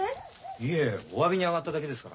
・いえおわびにあがっただけですから。